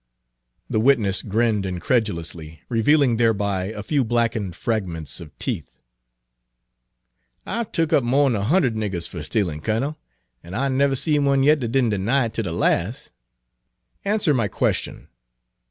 The witness grinned incredulously, revealing thereby a few blackened fragments of teeth. "I've tuck up more 'n a hundred niggers fer stealin', Kurnel, an' I never seed one yit that did n' 'ny it ter the las'." "Answer my question.